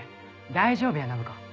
大丈夫や展子。